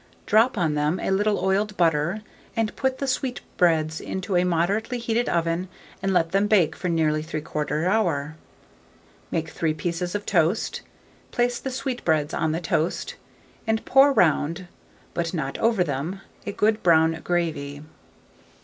Drop on them a little oiled butter, and put the sweetbreads into a moderately heated oven, and let them bake for nearly 3/4 hour. Make 3 pieces of toast; place the sweetbreads on the toast, and pour round, but not over them, a good brown gravy.